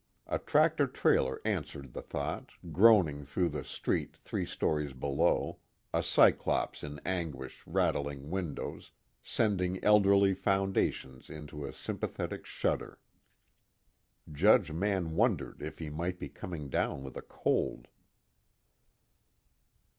A tractor trailer answered the thought, groaning through the street three stories below, a Cyclops in anguish, rattling windows, sending elderly foundations into a sympathetic shudder. Judge Mann wondered if he might be coming down with a cold.